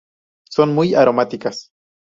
Son muy aromáticas.